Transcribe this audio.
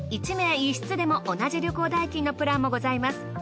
１名１室でも同じ旅行代金のプランもございます。